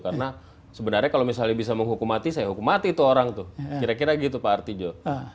karena sebenarnya kalau bisa menghukum mati saya hukum mati itu orang kira kira gitu pak artijo